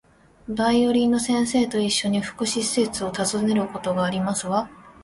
バイオリンの先生と一緒に、福祉施設を訪ねることがありますわ